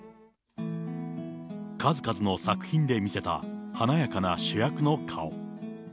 数々の作品で見せた華やかな主役の顔。